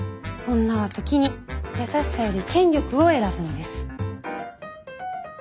女は時に優しさより権力を選ぶんです。